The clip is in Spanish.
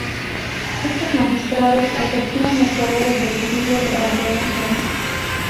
Estos magistrados ejercían el poder ejecutivo durante un mes.